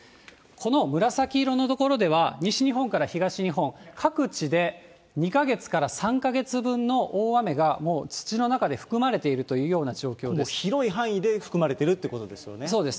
この紫色の所では、西日本から東日本、各地で２か月から３か月分の大雨がもう土の中で含まれているといもう広い範囲で含まれてるっそうです。